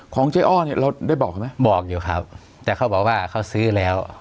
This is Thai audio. ของเจ๊อ้อเราได้บอกนะบอกอยู่ครับแต่เขาบอกว่าเขาซื้อแล้ว